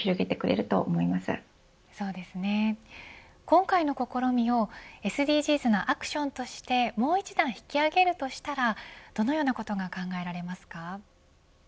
今回の試みをＳＤＧｓなアクションとしてもう一段引き上げるとしたらどのようなことが考えられますか。